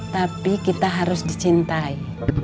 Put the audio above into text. tapi kita harus dicintai